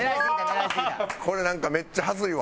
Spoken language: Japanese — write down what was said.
これなんかめっちゃ恥ずいわ。